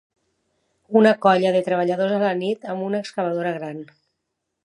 Una colla de treballadors a la nit amb una excavadora gran.